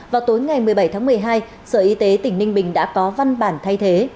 vào tối ngày một mươi bảy tháng một mươi hai sở y tế tỉnh ninh bình đã có văn bản thay thế